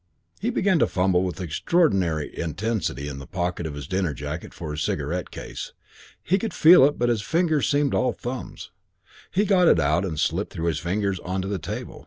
He began to fumble with extraordinary intensity in the pocket of his dinner jacket for his cigarette case. He could feel it, but his fingers seemed all thumbs. He got it out and it slipped through his fingers on to the table.